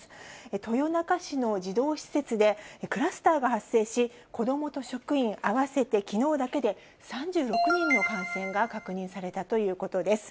豊中市の児童施設でクラスターが発生し、子どもと職員合わせてきのうだけで３６人の感染が確認されたということです。